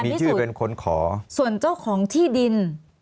มีชื่อเป็นคนขอส่วนการพิสูจน์ส่วนเจ้าของที่ดิน